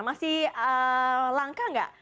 masih langka enggak